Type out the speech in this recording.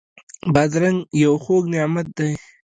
بادرنګ یو خوږ نعمت دی.